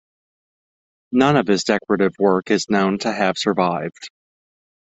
None of his decorative work is known to have survived.